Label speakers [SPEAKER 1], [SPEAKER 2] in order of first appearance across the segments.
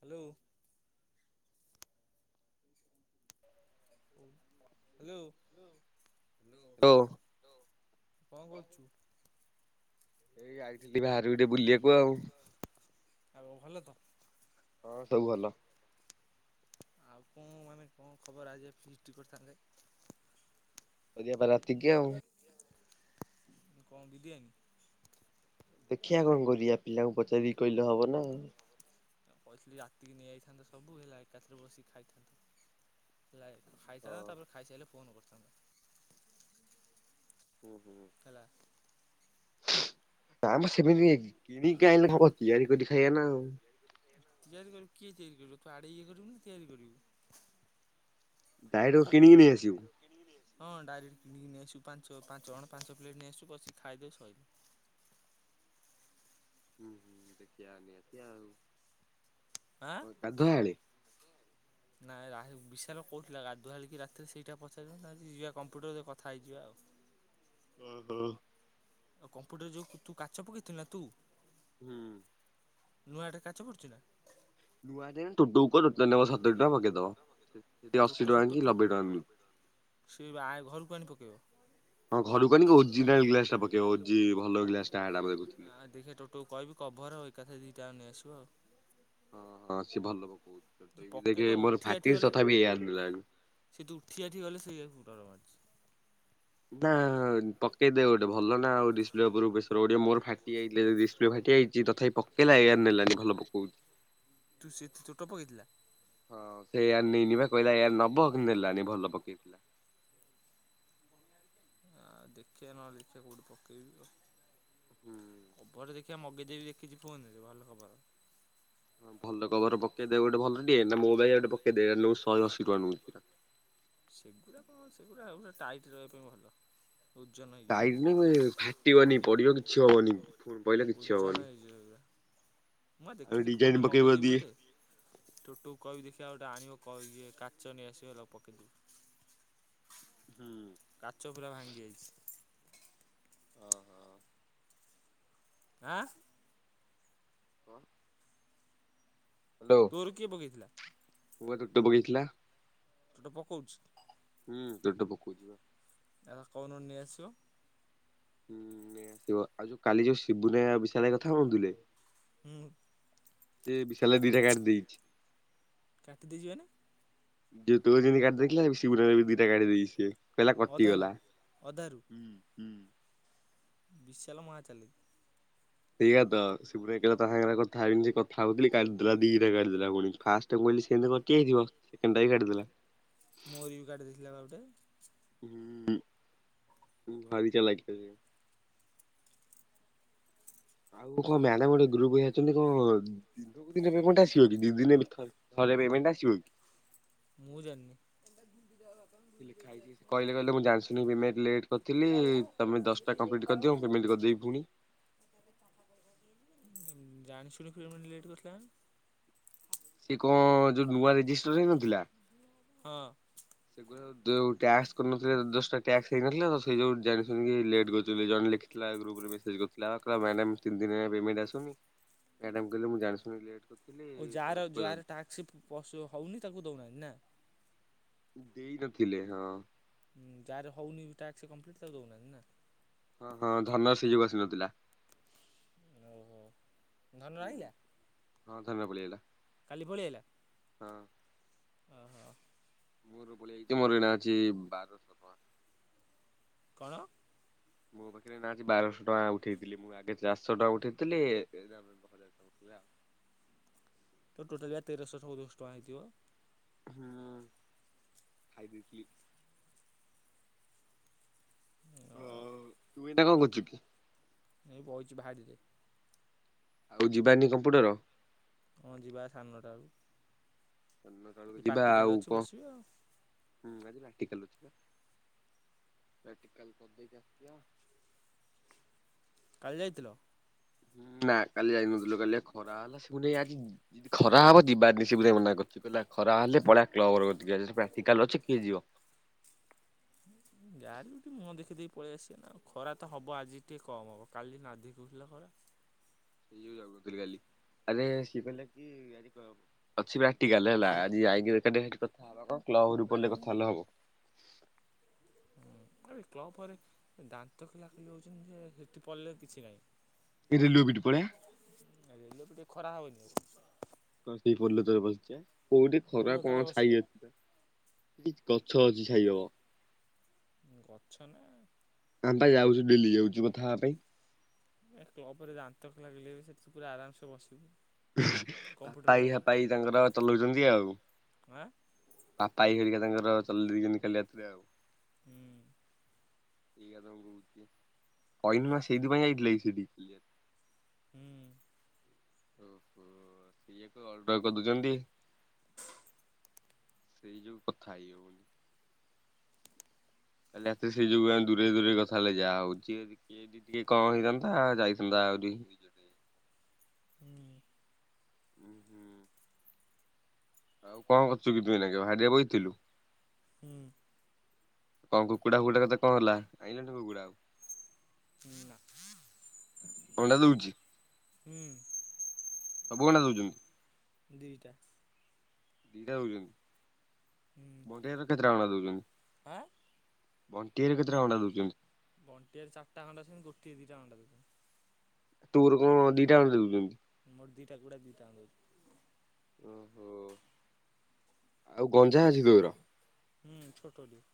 [SPEAKER 1] Hello hello କଣ କରୁଛୁ?
[SPEAKER 2] ଏଇ ଆଇଥିଲି ବାହକୁ ଟିକେ ବୁଲିବାକୁ ଆଉ।
[SPEAKER 1] ଆଉ କଣ ଭଲ ତ?
[SPEAKER 2] ହଁ ସବୁ ଭଲ।
[SPEAKER 1] ଆଉ କଣ ମାନେ କଣ ଖବର ଆଜି ବା ଫୀସଟି କରିଥାନ୍ତେ
[SPEAKER 2] [unintelligible] ରାତିକି ଆଉ।
[SPEAKER 1] କଣ ବିରିୟାନୀ?
[SPEAKER 2] ଦେଖିଆ କଣ କରିବା ପିଲାଙ୍କୁ ପଚାରିକି କହିଲେ ହବ ନା ଆଉ।
[SPEAKER 1] କହିଥିଲି ରାତିକି ନେଇଆଯାଇଥାନ୍ତତା ସବୁ ହେଲା ଏକାଥରେ ବସିକି ଖାଇଥାନ୍ତତା। ଲାଇ ଖାଇସାର ତାପରେ ଖାଇସାରିଲେ ଫୋନ କରିଥାନ୍ତା
[SPEAKER 2] ହୁଁ ହୁଁ।
[SPEAKER 1] ହେଲା।
[SPEAKER 2] ନାମ ସେମିତି କିଣିକି ଆଇିଲ ତିଆରି କରି ଖାଇବା ନା ଆଉ।
[SPEAKER 1] ତିଆରି କରିବୁ କିଏ ତିଆରି କରିବୁ ତୁ ଆଡେ ଇଏ କରିବୁ ନା ତିଆରି କରିବୁ?
[SPEAKER 2] [unintelligible] କିଣିକି ନେଇ ଆସିବୁ?
[SPEAKER 1] ହଁ ଡାଇରେକ୍ଟ କିଣିକି ନେଇ ଆସୁ ପାଞ୍ଚ ପାଞ୍ଚ ଜଣ ପାଞ୍ଚ ପ୍ଲେଟ ନେଇ ଆସୁ ବସି ଖାଇଦେବୁ ସଇଲା।
[SPEAKER 2] ହୁଁ ହୁଁ ଦେଖିବା ନେଇ ଆସିବା ଆଉ ଗାଧୁଆଳେ?
[SPEAKER 1] ନାଇଁ ରହିଲ ବିଶାଲ କହୁଉଥିଲା ଗାଧୁଆଳିକି ରାତିରେ ସେଇଟା ପଚାରିବ ଯିବା ଏଇୟା କମ୍ପ୍ୟୁଟରରେ କଥା ହେଇଯିବା ଆଉ।
[SPEAKER 2] ଓହୋ।
[SPEAKER 1] ଆଉ କମ୍ପ୍ୟୁଟର ଯୋଉ ତୁ କାଚ ପକେଇଥିଲୁ ନା ତୁ?
[SPEAKER 2] ହୁଁ।
[SPEAKER 1] ନୂଆଟେ କାଚ ପଡ଼ୁଛି ନା।
[SPEAKER 2] ନୂଆ ଆଜି ଟୋଟୁ [unintelligible] ନେ ସତୁରି ଟଙ୍କା ମଗେଇଦବ। କିଏ ଅଶୀ ଟଙ୍କା କି ନବେ ଟଙ୍କା।
[SPEAKER 1] ସେ ଆ ଘରକୁ ଆଣି ପକେଇବ।
[SPEAKER 2] ହଁ, ଘରୁକୁ ଆଣି ଓର୍ଗିନାଲ ଗ୍ଲାସ୍ ପକେଇବ, ଓଜି ଭଲ ଗ୍ଲାସ୍ ଟା। [inaudible]
[SPEAKER 1] [unintelligible] ତୁ କହିବି କଭର୍ ଏକାଥା ଦି ଟା ନେଇଆସିବ ଆଉ।
[SPEAKER 2] ହଁ, ହଁ, ସିଏ ଭଲ [inaudible] କହୁଛି।
[SPEAKER 1] ପକେଇ ତ ଉଠି ଆଠି ଗଲେ, ସେ ତୁ ଉଠି ଆଠି ଗଲେ, ସେଇଆକୁ ଡର ମାରିଛି।
[SPEAKER 2] [unintelligible] ପକେଇଦେ, ଗୋଟେ ଭଲ ନା? ଆଉ ଡିସପ୍ଲେ ଉପରୁ ପ୍ରେସର୍ ପଡିବ। ମୋର ଫାଟିଯାଇ ଡିସ୍ପ୍ଲେ ଫାଟିଯାଇଚି ତଥାପି ପକ ଇଲା ଏୟାର ନେଲାଣି, ଭଲ ପକଉଚି।
[SPEAKER 1] ତୁ [unintelligible] ଚୋଟ ପକେଇଥିଲା।
[SPEAKER 2] ହଁ, ସେ ଏୟାର ନେଇନି ବା କହିଲା ଏୟାର ନବ କିନ୍ତୁ ନେଲାନି, ଭଲ ପକେଇନି।
[SPEAKER 1] ଆଉ ଦେଖିବା, ନହେଲେ ଦେଖିବା କେଉଠି ପକେଇବି ଆଉ।
[SPEAKER 2] ହୁଁ।
[SPEAKER 1] କଭର୍ ଟେ ଦେଖିବା, ମଗେଇ ଦେବି। ଦେଖିଚି ଫୋନ୍ ରେ ଭଲ କଭର।
[SPEAKER 2] ଭଲ କଭର୍ ପକେଇ ଦେ ‌, ଗୋଟେ ଭଲ ଟିଏ ନା। [unintelligible] ଗୋଟେ ଶହେଅଶୀ ଟଙ୍କା ନଉଚି।
[SPEAKER 1] ସେଗୁଡ଼ା କଣ? ସେଗୁଡ଼ା ଗୋଟେ ଟାଇଟ୍ ରହିବା ପାଇଁ ଭଲ। ଓଜନ ହେଇଯିବ। [inaudible] ଓଜନ ହେଇଯିବ। ମୁଁ ବା ଦେଖିଚି ଫୋନ୍ ରେ, ମଗେଇଦେବି ଗୋଟେ। ଟୁଟୁ କୁ କହିବି, ଦେଖିଆ ଗୋଟେ ଆଣିବ। କହିବି ଇଏ କାଚ ନେଇ ଆସିବ, ପକେଇଦବୁ।
[SPEAKER 2] [inaudible]
[SPEAKER 1] କାଚ ପୁରା ଭାଙ୍ଗି ଯାଇଚି।
[SPEAKER 2] ଓ ହୋ।
[SPEAKER 1] ଆଁ। ତୋର କିଏ ପକେଇଥିଲା?
[SPEAKER 2] ମୋର ଟୁଟୁ ପକେଇଥିଲା।
[SPEAKER 1] ଟୁଟୁ ପକଉଛି?
[SPEAKER 2] ହୁଁ, ଟୁଟୁ ପକଉଚି।
[SPEAKER 1] ଏରା କହୁନୁ ନେଇ ଆସିବ।
[SPEAKER 2] [inaudible] କାଲି ଯୋଉ ଶିବୁନ ବିଷୟରେ କଥା ହଉନଥିଲେ?
[SPEAKER 1] ହୁଁ।
[SPEAKER 2] ସେ ବିଶାଲ ଦିଟା କାଟି ଦେଇଚି। [unintelligible] କହିଲା କଟିଗଲା।
[SPEAKER 1] ବିଶାଲ ମହାଚାଲୁ।
[SPEAKER 2] ସେଇଆ ତ [unintelligible] କଥା ହେବି ସେ କଥା ହଉଥିଲି କାଟି ଦେଲା। [unintelligible] [unintelligible]
[SPEAKER 1] ମୋରି ବି କାଟି ଦେଇଥିଲା ବା ଗୋଟେ।
[SPEAKER 2] [inaudible] ଭାରି ଚାଲାକି। ଆଉ କଣ [unintelligible] ଗ୍ରୁପ [unintelligible] [inaudible] ପେମେଣ୍ଟ ଆସିବ କି ଦି ଦିନ ଥରେ ପେମେଣ୍ଟ ଆସିବ କି?
[SPEAKER 1] ମୁଁ ଜାଣିନି।
[SPEAKER 2] [unintelligible] କହିଲେ, ମୁଁ ଜାଣିଶୁଣି ପେମେଣ୍ଟ୍ ଲେଟ୍। କରିଥିଲି, ତମେ ଦଶ୍ ଟା କମ୍ପ୍ଲିଟ୍ କରିଦିଅ, ପେମେଣ୍ଟ୍ କରିଦେବି ପୁଣି।
[SPEAKER 1] ଜାଣି ଶୁଣି ପେମେଣ୍ଟ୍ ଲେଟ୍ କରିଥିଲା ନା?
[SPEAKER 2] ସେ କଣ ଯଉ ନୂଆ ରେଜିଷ୍ଟର ହେଇନଥିଲା
[SPEAKER 1] ହଁ।
[SPEAKER 2] ସେଗୁରା ଯଉ ଟ୍ୟାକ୍ସ୍ କରିନଥିଲେ ଦଶଟା ଟ୍ୟାକ୍ସ୍ ହେଇନଥିଲା ତ ସେଇ ଯଉ ଜାଣିଶୁଣିକି ଲେଟ୍ କରିଥିଲେ ଜଣେ ଲେଖି ଥିଲା ଗ୍ରୁପ୍ ରେ ମେସେଜ୍ କରିଥିଲା କହିଲା ମ୍ୟାଡ଼ାମ ଏମିତି ତିନି ଦିନ ହେଲା ପେମେଣ୍ଟ୍ ଆସୁନି। ମ୍ୟାଡ଼ାମ୍ କହିଲେ ମୁଁ ଜାଣିଶୁଣି ଲେଟ୍ କରିଚି।
[SPEAKER 1] ଆଉ ଯାହାର ଯାହାର ଟାକ୍ସି ପସ ହଉନି ତାକୁ ଦଉନାହାନ୍ତି ନା?
[SPEAKER 2] ଦେଇ ନଥିଲେ ହଁ।
[SPEAKER 1] ଉଁ ଯାହାର ହଉନି ଟାସ୍କ କମ୍ପ୍ଲିଟ୍ ତାକୁ ଦଉନାହାନ୍ତି ନା?
[SPEAKER 2] ହଁ ଧନ ସେଇ ଯୋଗୁ ଆସୁନଥିଲା।
[SPEAKER 1] ଓହୋ ଧନ ଆଇଲା?
[SPEAKER 2] ହଁ ଧନ ପଳେଇଆଇଲା।
[SPEAKER 1] କାଲି ପଳେଇ ଆଇଲା?
[SPEAKER 2] ହଁ।
[SPEAKER 1] ଓହୋ।
[SPEAKER 2] ମୋର ଏଇନା ଅଛି ବାର
[SPEAKER 1] କଣ?
[SPEAKER 2] ମୋ ପାଖରେ ଏନା ଅଛି ବାରଶହ ଟଙ୍କା ଉଠେଇଥିଲି ମୁଁ ଆଗେ ଚାରିଶହ ଟଙ୍କା ଉଠେଇଥିଲି ବଖା [unintelligible]
[SPEAKER 1] ତ ଟୋଟାଲି ପା ତେରଶହ ଚଉଦଶାହ ଟଙ୍କା ହେଇଥିବ।
[SPEAKER 2] ହୁଁ ଖାଇ ଦେଇଥିଲି
[SPEAKER 1] ଓ
[SPEAKER 2] ତୁ ଏଇନା କଣ କରୁଚୁ କି?
[SPEAKER 1] ଏ ବଇଚି ଭାଡ଼ିରେ।
[SPEAKER 2] ଆଉ ଯିବାନି କମ୍ପ୍ୟୁଟର?
[SPEAKER 1] ହଁ ଯିବା ସାଡେ ନଟା ଅଳୁକୁ ଆଜି ପାର୍ଟିକାଲ ଅଛି ବସିବା ଆଉ।
[SPEAKER 2] ହଁ ଆଜି ପାର୍ଟିକାଲ ଅଛି ପା ପାର୍ଟିକାଲ କରଦେଇକି ଆସିବ
[SPEAKER 1] କାଲି ଯାଇଥିଲ?
[SPEAKER 2] ନା କାଲି ଯାଇନଥିଲୁ କାଲି ପା ଖରା ହେଲା ସିପୁନୁ ଭାଇ ଆଜି ଖରା ହବ ଯିବାନି ସିପୁନୁ ଭାଇ ମନା କର। କି କହିଲା ଖରା ହେଲେ ପଲାଇଵା କ୍ଲଵ ଘର କତିକି ଆଜି ପ୍ରାକ୍ଟିକାଲ ଅଛି କିଏ ଯିବ।
[SPEAKER 1] ଯାହାଲେ ବି ଟିକେ ମୁହଁ ଦେଖିଦେଇକି ପଳେଇ ଆସିବ ନା ଆଉ ଖରା ତ ହବ ଆଜି ଟିକେ କମ୍ ହବ କାଲି ନାଦିକି ହୋଉଥିଲା ଖରା।
[SPEAKER 2] ମୁଁ ନଥିଲି କାଲି ଆରେ ସେ କହିଲା କି ଅଛି ପ୍ରାକ୍ଟିକାଲ ହେଲା ଆଜି ଯାଇଁକି ବେକାର ଟାରେ ହେଠି କଥା ହବା କଣ କ୍ଲବ ଘର କୁ ପଳେଇଲେ କଥା ହେଲେ ହବ।
[SPEAKER 1] କ୍ଲବ ଘରେ ଦାନ୍ତ କେଲାକେଲି ହେଉଚନ୍ତି ଯେ ସେଠି ପଳେଇଲେ କିଛି ନାହିଁ।
[SPEAKER 2] କି ରେଲୁୱ ବିଟ୍ ପଲେଇବା।
[SPEAKER 1] ରେଲୱେ ପଟେ ଖରା ହବନି ଆଉ।
[SPEAKER 2] କଣ ସେଇ ପୋଲ ତଳେ ପସଯିବ କୋଉଠି ଖରା କଣ ଛାଇ କି ଗଛ ଅଛି ଛାଇ ହବ।
[SPEAKER 1] ହୁଁ ଗଛ ନା
[SPEAKER 2] ଆମେ ପା ଯାଉଚୁ ଡେଲି ଯାଉଚୁ କଥା ହବା ପାଇଁ।
[SPEAKER 1] ଏ କ୍ଲବଘରେ ଦାନ୍ତ କେଲା କେଲି ହେବେ ସେଠି ତ ପୁରା ଆରାମସେ ବସିବୁ।
[SPEAKER 2] ଆ ପାଇହା ପାହି ତାଙ୍କର ଚଲଉଚନ୍ତି ଆଉ। ଆପା ଭାଇ ହେଇରିକା ତାଙ୍କର ଚଲେଇ ଦେଇଚନ୍ତି କାଲି ରାତିରେ ଆଉ।
[SPEAKER 1] ହୁଁ।
[SPEAKER 2] ଏଇା ତାଙ୍କୁ କହୁଚି ଯେ କହିନି ନା ସେଇଥିପାଇଁ ଯାଇଥିଲିି କି ସେଠିକି।
[SPEAKER 1] ହୁଁ।
[SPEAKER 2] ଓହୋ ଇଏ କ ଅଲଗା କରିଦଉଛନ୍ତି। ସେଇ ଯୋଉ କଥା ହେଇହୋଉନି। କାଲି ରାତିରେ ସେ ଯୋଗୁ ଆ ଦୂରେଇ ଦୂରେଇ କଥା ହେଲେ ଯାହା ହଉଛି ଯେଦି ଟିକେ କଣ ହେଇଥାନ୍ତା ଯାଇଥାନ୍ତା ଆହୁରି।
[SPEAKER 1] ଉଁ।
[SPEAKER 2] ଉଁ ହୁଁ। ଆଉ କଣ କରୁଛୁ ତୁ ଏଇ ନାକେ ବା ହାରିଆ ବଇ ଥିଲୁ।
[SPEAKER 1] ହୁଁ।
[SPEAKER 2] କଣ କୁକୁଡ଼ା, ଫୁକୁଡା କଥା କଣ ହେଲା ଆଇଲଣି କୁକୁଡା ଆଉ।
[SPEAKER 1] ଉଁ ଲ [inaudible]
[SPEAKER 2] ଅଣ୍ଡା ଦଉଛି।
[SPEAKER 1] ହୁଁ।
[SPEAKER 2] ସବୁ ଅଣ୍ଡା ଦଉଛନ୍ତି।
[SPEAKER 1] ଦିଟା।
[SPEAKER 2] ଦିଟା ଦଉଛନ୍ତି ବଣ୍ଟିଭାଇ ର କେତେଟା ଅଣ୍ଡା ଦଉଛନ୍ତି। ବଣ୍ଟି ଭାଈ ର କେତେଟା ଅଣ୍ଡା ଦଉଛନ୍ତି।
[SPEAKER 1] ବଣ୍ଟି ଭାଇ ର ଚାରିଟା ଅଣ୍ଡା ଅଛନ୍ତି ଗୋଟିଏ ଦିଟା ଅଣ୍ଡା ଦଉଛନ୍ତି।
[SPEAKER 2] ତୋର କଣ ଦିଟା ଅଣ୍ଡା ଦଉଛନ୍ତି।
[SPEAKER 1] ମୋର ଦି ଟା କୁକୁଡା ଦି ଟା ଜାଙ୍କ ଦଉଛନ୍ତି।
[SPEAKER 2] ଓହୋ ଆଉ ଗଞ୍ଜା ଅଛି ତୋର।
[SPEAKER 1] ହୁଁ ଛୋଟ ଲିଓ।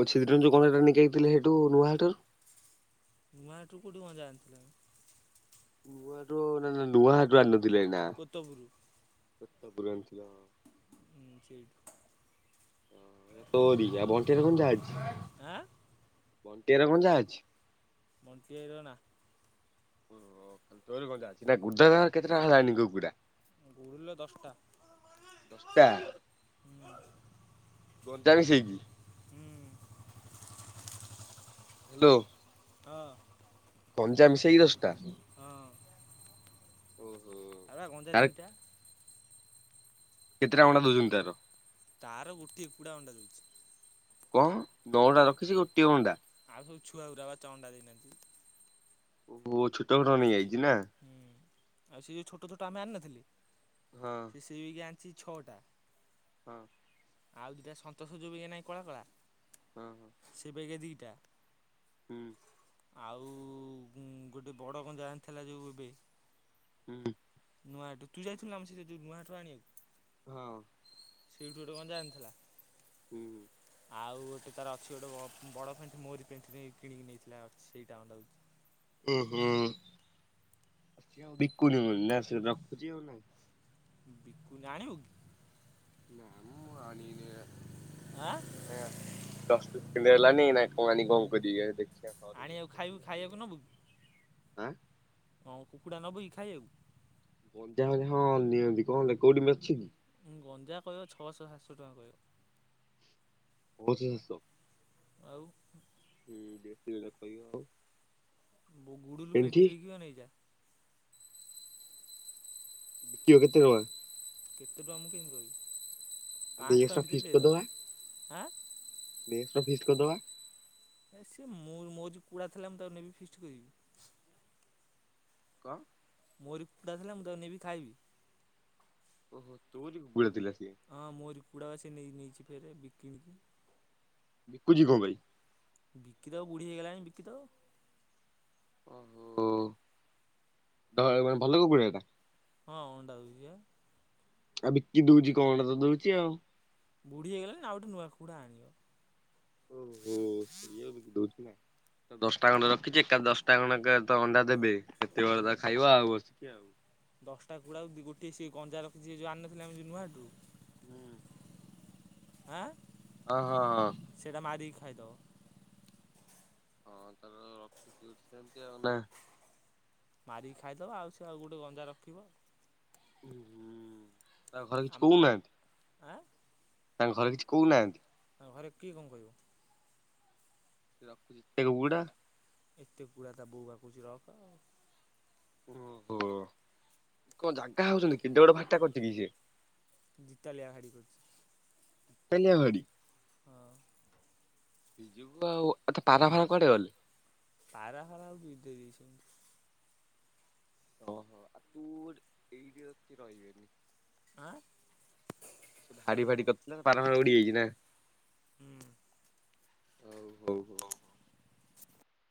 [SPEAKER 2] ଆଉ ସେ ଦିନ ଯୋ କଣଟା ନେଇକେଇ ଥିଲେ ହେଠୁ ନୂଆହାଟରୁ।
[SPEAKER 1] ନୂଆଁହାଟ ରୁ କେଁଠି ଗଞ୍ଜା ଆଣିଥିଲେ।
[SPEAKER 2] ନୂଆ ରୁ ନା ନା ନୂଆହାଟ ରୁ ଆଣି ନଥିଲେ ହେଇଟା।
[SPEAKER 1] କୋତପୁରୁ।
[SPEAKER 2] ସତପୁରି ଆଣି ଥିଲ ଅ।
[SPEAKER 1] ହୁଁ ସେଇଠୁ
[SPEAKER 2] ତୋରି ଆ ବଣ୍ଟିର କଣ ଯାହା ଅଛି ବଣ୍ଟିଆର କଣ ଯାହା ଅଛି।
[SPEAKER 1] ମନ୍ତ୍ରୀ ଆଇର ନା।
[SPEAKER 2] ଯୋରେ ଗଞ୍ଜା ଅଛି ନା ଗୁଡା ଦା ର କେତେଟା ହେଲାଣି କୁକୁଡ଼ା।
[SPEAKER 1] ଗୁରୁଲ ଦଶଟା।
[SPEAKER 2] ଦଶଟା ଗଞ୍ଜା ମିସେଇକି।
[SPEAKER 1] ହୁଁ।
[SPEAKER 2] ହ୍ୟାଲୋ।
[SPEAKER 1] ହଁ [inaudible]
[SPEAKER 2] ଗଞ୍ଜା ମିଶେଇ କି ଦଶ ଟା।
[SPEAKER 1] ହଁ।
[SPEAKER 2] ଓହୋ।
[SPEAKER 1] ଆ ରା ଗଞ୍ଜା ଦିଟା।
[SPEAKER 2] କେତେଟା ଅଣ୍ଡା ଦଉଛନ୍ତି ତାର।
[SPEAKER 1] ତାର ଗୋଟିଏ କୁକୁଡ଼ା ଅଣ୍ଡା ଦଉଛି।
[SPEAKER 2] କଣ ଦଳ ଟା ରଖିଛି ଗୋଟିଏ ଅଣ୍ଡା।
[SPEAKER 1] ଆଉ ସବୁ ଛୁଆ ଗୁରା ବା ଚ ଅଣ୍ଡା ଦେଇନାହାନ୍ତି।
[SPEAKER 2] ଓ ବୋ ଛୋଟ ଘଟ ନେଇଯାଇଛି ନା।
[SPEAKER 1] ହୁଁ ଆଉ ସେ ଯେଉଁ ଛୋଟ ଛୋଟ ଆମେ ଆଣିନଥିଲେ।
[SPEAKER 2] ହଁ।
[SPEAKER 1] ସେ ସେଇବାଗିଆ ଆଣିଛି ଛଅଟା।
[SPEAKER 2] ହଁ।
[SPEAKER 1] ଆଉ ଦିଇଟା ସନ୍ତୋଷର ଯୋଉବାଗିଆ ନାଇଁ କଳା କଳା?
[SPEAKER 2] ହଁ ହଁ।
[SPEAKER 1] ସେଇବାଗିଆ ଦିଇଟା।
[SPEAKER 2] ହୁଁ।
[SPEAKER 1] ଆଉ ଗୁଁ ଗୋଟେ ବଡ ଗଞ୍ଜା ଆଣିଥିଲା ଯୋଉ ଏବେ।
[SPEAKER 2] ହୁଁ।
[SPEAKER 1] ନୂହାଟୁ ତୁ ଯାଇଥିଲୁନା ଆମ ସଇତ ଯୋଉ ନୂଆହାଟ ରୁ ଆଣିଆକୁ?
[SPEAKER 2] ହଁ।
[SPEAKER 1] ସେଇଠୁ ଗୋଟେ ଗଞ୍ଜା ଆଣିଥିଲା?
[SPEAKER 2] ହୁଁ ହୁଁ।
[SPEAKER 1] ଆଉ ଗୋଟେ ତାର ଅଛି ଗୋଟେ ବ ବଡ଼ ପେଣ୍ଠି ମୋରି ପେଣ୍ଠି ନେଇକି କିଣିକି ନେଇଥିଲା ଅଛି ସେଇଟା ଅଣ୍ଡା ଦୋଉଛି।
[SPEAKER 2] ଉଁ ହୁଁ ବିକୁନି ବୋଲି ନା ସେ ରଖୁଛି ଆଉ ନାଇଁ।
[SPEAKER 1] ବିକୁନେଇଁ ଆଣିବୁ କି?
[SPEAKER 2] ନାମ ମୁଁ ଆଣିନେଇଁ ଆ ନାଇଁ ଆ ଦଶ୍ ଦି ଦିନି ହେଲାନି ନାଇଁ କଁ ଅନିକି କଁ କରିବି ଏ ଦେ
[SPEAKER 1] ଆଣିଆକୁ ଖାଇବୁ ଖାଇଆକୁ ନବୁ କି କଁ କୁକୁଡା ନବୁ କି ଖାଇଆକୁ?
[SPEAKER 2] ଗଞ୍ଜା ଫଞ୍ଜା ହଁ ନିଅନ୍ତି କଁ ହେଲା କି କୋଉଠି ମି ଅଛି କି?
[SPEAKER 1] ଉଁ ଗଞ୍ଜା କଇବ ଛଅଶ ସାତଶ ଟଙ୍କା କଇବ।
[SPEAKER 2] କୋଉ ଜିନ୍ ସପ୍?
[SPEAKER 1] ଆଉ
[SPEAKER 2] ହୁଁ ଦେଖିଲେ କଇବା ଆଉ?
[SPEAKER 1] ବୁ ଗୁଡ଼ୁଲୁ ପେଣ୍ଠି ବିକିବ ନେଇ ଯା।
[SPEAKER 2] ବିକିବ କେତେ ଟଙ୍କା?
[SPEAKER 1] କେତେ ଟଙ୍କା ମୁଁ କେମିତି କହିବି ପଂଶ୍ ଟଙ୍କା ଭିତରେ ଦେଇଦବ।
[SPEAKER 2] ନେଇଆସୁନା ଫିଷ୍ଟି କଦବା।
[SPEAKER 1] ଏ ସିଏ ମୋ ମୋର କୁଡ଼ାଥିଲା ମୁଁ ତାକୁ ନେବି ଫିଷ୍ଟି କରିବି।
[SPEAKER 2] କଁ?
[SPEAKER 1] ମୋରି କୁକୁଡ଼ା ଥିଲା ମୁଁ ତାକୁ ନେବି ଖାଇବି?
[SPEAKER 2] ଓହୋ ତୋରି କୁକୁଡା ଥିଲା ସିଏ?
[SPEAKER 1] ହଁ ମୋରି କକୁଡ଼ା ବା ସେ ନେଇ ନେଇଚି ଫେରେ ବିକି ବିକି।
[SPEAKER 2] ବିକୁଚି କଁ ପାଇଁ?
[SPEAKER 1] ବିକି ଦବ ବୁଢୀ ହେଇଗଲାଣି ବିକିଦବ।
[SPEAKER 2] ଓହୋ ଧ ଭଲ କୁକୁଡ଼ା ଟା?
[SPEAKER 1] ହଁ ଅଣ୍ଡା ଦୋଉଚି ପା।
[SPEAKER 2] ଆଉ ବିକି ଦୋଉଚି କଁ ଅଣ୍ଡା ତ ଦୋଉଚି ଆଉ।
[SPEAKER 1] ବୁଢ଼ୀ ହେଇଗଲାଣି ଆଉ ଗୋଟେ ନୂଆ କୁକୁଡ଼ା ଆଣିବ।
[SPEAKER 2] ଓ ହୋ ସେୟାକୁ ବିକିଦୋଉଚି ନା? ତ,, ଦଶ୍ଟା ଖଣ୍ଡେ ରଖିଛି ଏକା ଦଶ୍ଟା ଖଣ୍ଡେକେ ତ ଅଣ୍ଡା ଦେବେ ସେତିକିବେଳେ ତାର ଖାଇବ ଆଉ ବସିକି ଆଉ।
[SPEAKER 1] ଦଶ୍ଟା କୁକୁଡ଼ାକୁ ଦୁ ଗୋଟିଏ ସେ ଗଞ୍ଜା ରଖିଚି ସେ ଯୋଉ ଆଣିିନଥିଲେ ଆମେ ଯୋଉ ନୂଆହାଟୁରୁ?
[SPEAKER 2] ହୁଁ।
[SPEAKER 1] ହାଁ?
[SPEAKER 2] ଅ ହଁ ହଁ।
[SPEAKER 1] ସେଇଟା ମାରିକି ଖାଇଦବ।
[SPEAKER 2] [unintelligible]
[SPEAKER 1] ମାରିକି ଖାଇଦେବ ଆଉ ସେ ଆଉ ଗୋଟେ ଗଞ୍ଜା ରଖିବ।
[SPEAKER 2] [unintelligible]
[SPEAKER 1] ଆଁ।
[SPEAKER 2] ତାଙ୍କ ଘରେ କିଛି କହୁନାହାନ୍ତି?
[SPEAKER 1] ତା ଘରେ କିଏ କଣ କହିବ?
[SPEAKER 2] ଏତେ କୁକୁଡା
[SPEAKER 1] ଏତେ କୁକୁଡ଼ା ତା ବୋଉ ବା କହୁଛି ରଖଅ।
[SPEAKER 2] ଓହୋ କଣ ଜାଗା ହଉଛନ୍ତି କେଡେ ବଡ ଭାଡ଼ିଟା କରିଛି କିି ସିଏ?
[SPEAKER 1] ଦିତାଲିଆ ଭାଡି କରିଛି।
[SPEAKER 2] ଦିତାଲିଆ ଭାଡ଼ି?
[SPEAKER 1] ହଁ।
[SPEAKER 2] [inaudible] ଆଉ ତା ପାରା ଫାରା କୁଆଡ଼େ ଗଲେ?
[SPEAKER 1] ପରା ଫାରା ବି ଦେଇ ଦେଇଛନ୍ତି।
[SPEAKER 2] ଓହୋ ଆଉ ତୁ ଏଇରି ରହିବେନି।
[SPEAKER 1] ଆଁ?
[SPEAKER 2] ଭାଡି ଫାଡି କରିଥିଲା ପାରା ସବୁଉଡି ଯାଇଛି ନା?
[SPEAKER 1] ହୁଁ।
[SPEAKER 2] ହଉ ହଉ ହଉ।